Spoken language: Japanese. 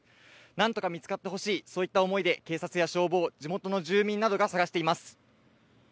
なんとか見つかってほしい、そういった思いで、警察や消防、地元の住民などが捜しています。